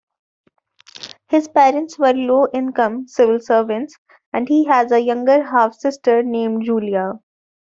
His parents were low-income civil servants, and he has a younger half-sister named Julia.